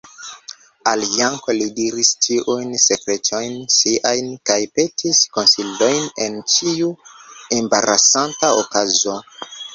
Al Janko li diris ĉiujn sekretojn siajn kaj petis konsilojn en ĉiu embarasanta okazo.